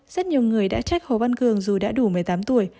rất nhiều người đã trách hồ văn cường dù đã đủ một mươi tám tuổi